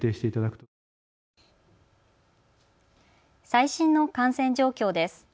最新の感染状況です。